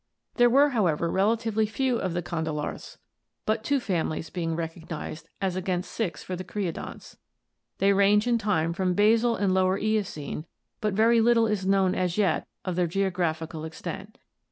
There were, however, relatively few of the condylarths, but two families being recognized as against six for the creodonts. They range in time from basal and Lower Eocene, but very little is known as yet of their geographical extent.